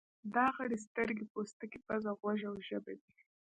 دا غړي سترګې، پوستکی، پزه، غوږ او ژبه دي.